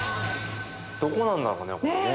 どこなんだろうねここね。